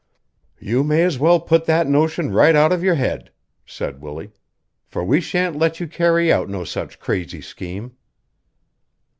"You may as well put that notion right out of your head," said Willie, "for we shan't let you carry out no such crazy scheme."